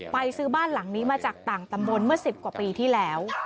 ซื้อบ้านหลังนี้มาจากต่างตำบลเมื่อ๑๐กว่าปีที่แล้ว